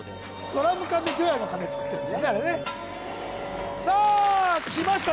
ドラム缶で除夜の鐘作ってるんですよねさあきました